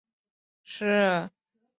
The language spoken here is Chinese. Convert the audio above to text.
索镇人口变化图示